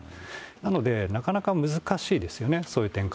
なので、なかなか難しいですよね。